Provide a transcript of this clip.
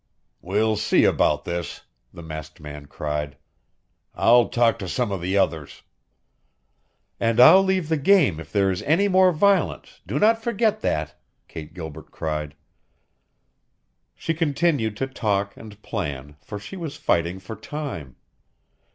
"We'll see about this!" the masked man cried. "I'll talk to some of the others " "And I'll leave the game if there is any more violence do not forget that!" Kate Gilbert cried. She continued to talk and plan, for she was fighting for time.